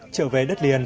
trở về đất liền